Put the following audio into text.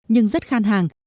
nhưng rất khan hàng